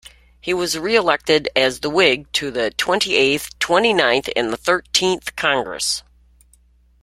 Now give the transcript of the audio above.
He was reelected as a Whig to the Twenty-eighth, Twenty-ninth, and Thirtieth Congresses.